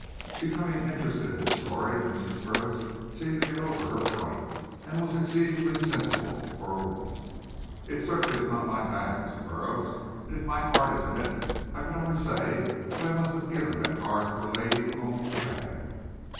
Becoming interested in the story, Mrs. Purvis seemed to get over her fright, and was exceedingly sensible for a woman. "It certainly is not my bag, Mr. Burroughs, and if my card is in it, I can only say that I must have given that card to the lady who owns the bag."